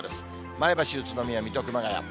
前橋、宇都宮、水戸、熊谷。